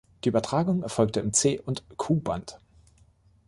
Die Übertragung erfolgte im C- und Ku-Band.